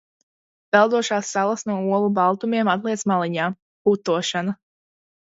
Peldošās salas no olu baltumiem, atliec maliņā. Putošana.